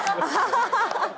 ハハハハ！